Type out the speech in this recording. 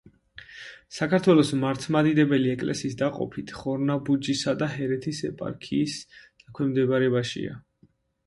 საქართველოს მართლმადიდებელი ეკლესიის დაყოფით ხორნაბუჯისა და ჰერეთის ეპარქიის დაქვემდებარებაშია.